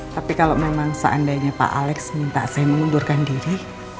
tapi kalau memang seandainya pak alex minta saya mengundurkan diri